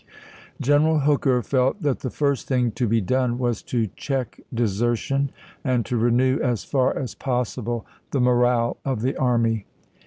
General Hooker felt that the first thing to be done was to check desertion and to renew, as far as possible, the morale of the army.